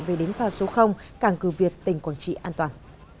về đến pha số cảng cư việt tỉnh quảng trị an toàn